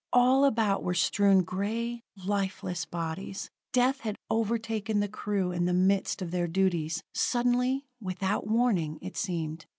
All about were strewn gray, lifeless bodies. Death had overtaken the crew in the midst of their duties, suddenly, without warning, it seemed.